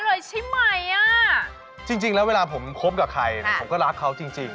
รวมถึงตราร้อนเผ่าด้วยในเรื่องความรักของเขา